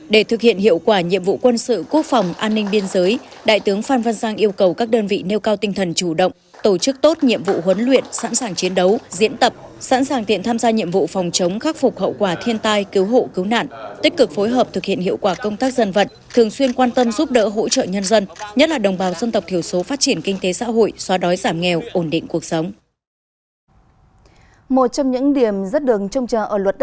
để thực hiện hiệu quả nhiệm vụ quân sự quốc phòng an ninh biên giới đại tướng phan văn giang yêu cầu các đơn vị nêu cao tinh thần chủ động tổ chức tốt nhiệm vụ huấn luyện sẵn sàng chiến đấu diễn tập sẵn sàng tiện tham gia nhiệm vụ phòng chống khắc phục hậu quả thiên tai cứu hộ cứu nạn tích cực phối hợp thực hiện hiệu quả công tác dân vật thường xuyên quan tâm giúp đỡ hỗ trợ nhân dân nhất là đồng bào dân tộc thiểu số phát triển kinh tế xã hội xóa đói giảm nghèo